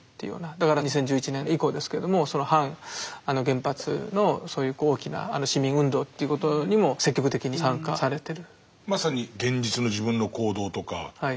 だから２０１１年以降ですけども反原発のそういう大きな市民運動っていうことにも積極的に参加されてる。